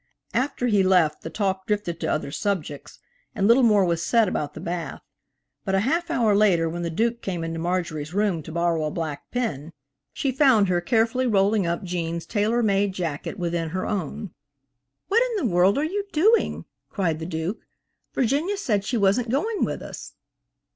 After he left the talk drifted to other subjects, and little more was said about the bath, but a half hour later when the Duke came into Marjorie's room to borrow a black pin, she found her carefully rolling up Gene's tailor made jacket within her own. "What in the world are you doing," cried the Duke. "Virginia said she wasn't going with us."